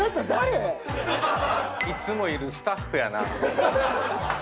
いつもいるスタッフやなぁ。